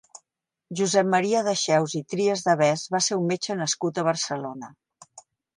Josep Maria Dexeus i Trias de Bes va ser un metge nascut a Barcelona.